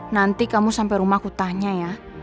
nanti kamu sampai rumah ku tanya ya